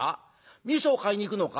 みそを買いに行くのか？」。